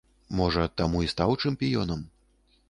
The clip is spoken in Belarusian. Можа, таму і стаў чэмпіёнам.